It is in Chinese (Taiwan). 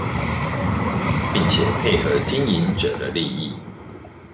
並且配合經營者的利益